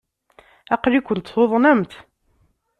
Aql-ikent tuḍnemt!